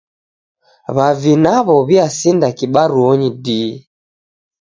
W'avi naw'o w'iasinda kibaruonyi dii.